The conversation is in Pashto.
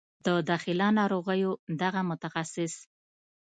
د داخله ناروغیو دغه متخصص